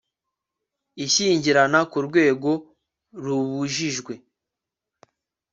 ishyingirana ku rwego rubujijwe